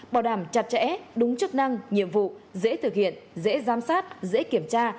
bảo đảm chặt chẽ đúng chức năng nhiệm vụ dễ thực hiện dễ giám sát dễ kiểm tra